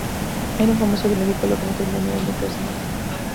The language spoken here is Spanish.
Era un famoso de medio pelo que no tenía ni donde caerse muerto